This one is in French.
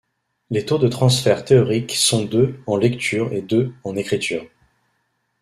Les taux de transfert théoriques sont de en lecture et de en écriture.